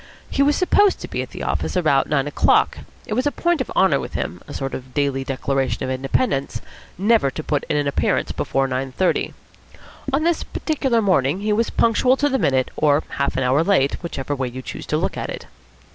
He was supposed to be at the office at nine o'clock. It was a point of honour with him, a sort of daily declaration of independence, never to put in an appearance before nine thirty. On this particular morning he was punctual to the minute, or half an hour late, whichever way you choose to look at it.